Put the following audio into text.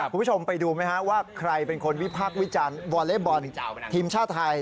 คุณผู้ชมไปดูไหมฮะว่าใครเป็นคนวิพากษ์วิจารณ์วอเล็กบอลทีมชาติไทย